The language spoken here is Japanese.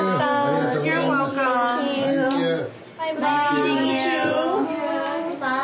バイバーイ。